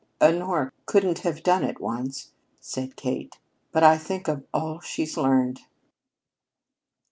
"Honora couldn't have done it once," said Kate. "But think of all she's learned."